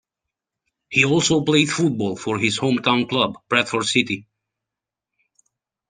He also played football for his hometown club Bradford City.